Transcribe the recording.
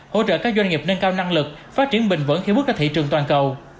hỗ trợ các doanh nghiệp nâng cao năng lực phát triển bình vẫn khi bước ra thị trường toàn cầu